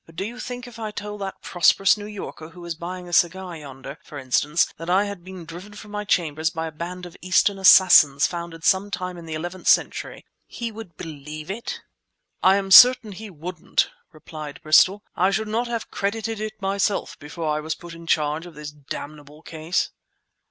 Do you think if I told that prosperous New Yorker who is buying a cigar yonder, for instance, that I had been driven from my chambers by a band of Eastern assassins founded some time in the eleventh century, he would believe it?" "I am certain he wouldn't!" replied Bristol. "I should not have credited it myself before I was put in charge of this damnable case."